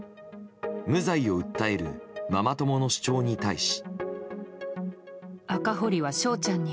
無罪を訴えるママ友の主張に対し。